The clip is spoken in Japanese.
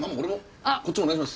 こっちもお願いします！